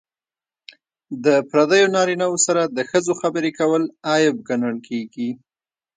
د پردیو نارینه وو سره د ښځو خبرې کول عیب ګڼل کیږي.